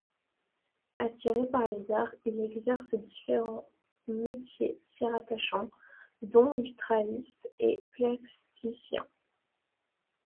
Attiré par les arts, il exerce différents métiers s’y rattachant, dont vitrailliste et plasticien.